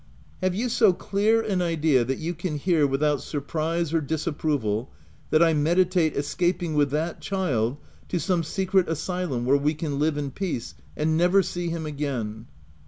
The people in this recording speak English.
" Have you so clear an idea that you can hear, without surprise or disapproval, that I meditate escaping with that child to some secret asylum where we can live in peace and never see him again